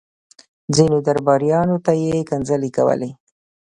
ځينو درباريانو ته يې کنځلې کولې.